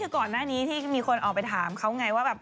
ก่อนหน้านี้คงมีคนออกไปถามเขาไงว่า